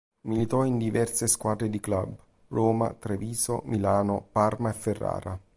Militò in diverse squadre di club: Roma, Treviso, Milano, Parma e Ferrara.